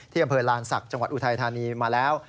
อำเภอลานศักดิ์จังหวัดอุทัยธานีมาแล้ว